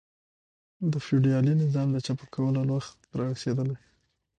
د فیوډالي نظام د چپه کولو وخت را رسېدلی.